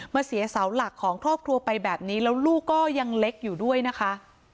เสียเสาหลักของครอบครัวไปแบบนี้แล้วลูกก็ยังเล็กอยู่ด้วยนะคะ